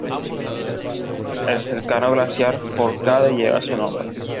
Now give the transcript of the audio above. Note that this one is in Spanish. El cercano glaciar Fourcade lleva su nombre.